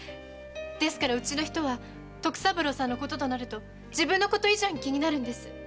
ですからうちの人は徳三郎さんのこととなると自分のこと以上に気になるんてす。